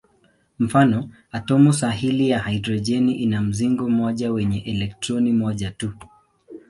Mfano: atomu sahili ya hidrojeni ina mzingo mmoja wenye elektroni moja tu.